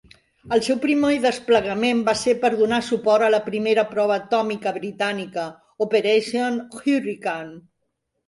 El seu primer desplegament va ser per donar suport a la primera prova atòmica britànica, Operation Hurricane.